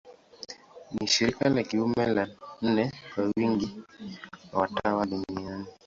Ni shirika la kiume la nne kwa wingi wa watawa duniani.